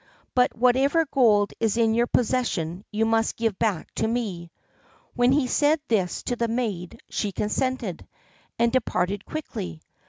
But whatever gold is in your possession you must give back to me." When he said this to the maid, she consented, and departed quickly.